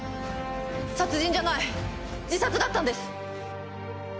殺人じゃない自殺だったんです！